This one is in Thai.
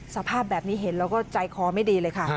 สภาพแบบนี้เห็นแล้วก็ใจคอไม่ดีเลยค่ะ